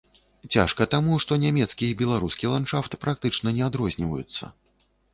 Цяжка таму, што нямецкі і беларускі ландшафт практычна не адрозніваюцца.